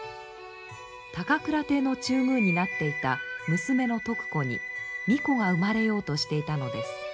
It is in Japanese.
高倉帝の中宮になっていた娘の徳子に御子が生まれようとしていたのです。